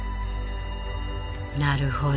なるほど。